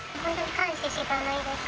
感謝しかないです。